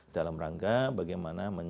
dalam rangka bagaimana mengembangkan